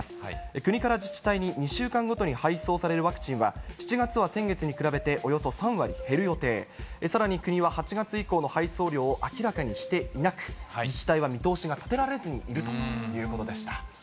国から自治体に２週間ごとに配送されるワクチンは、７月は先月に比べておよそ３割減る予定、さらに、国は８月以降の配送量を明らかにしていなく、自治体は見通しが立てられずにいるということでした。